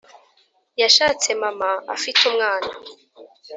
Yashatse Mama afite umwana